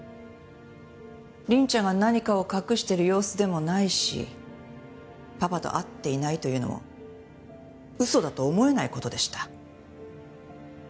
凛ちゃんが何かを隠してる様子でもないしパパと会っていないというのも嘘だと思えない事でした。